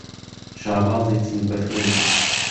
شابازی چنگ به خوێن